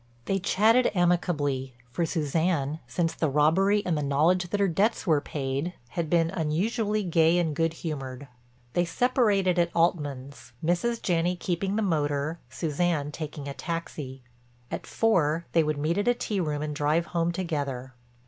They chatted amicably, for Suzanne, since the robbery and the knowledge that her debts were paid, had been unusually gay and good humored. They separated at Altman's, Mrs. Janney keeping the motor, Suzanne taking a taxi. At four they would meet at a tea room and drive home together.